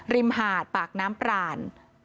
มหาดปากน้ำปราน